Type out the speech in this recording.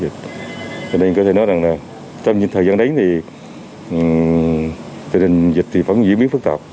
cho nên có thể nói là trong thời gian đấy thì dịch vẫn diễn biến phức tạp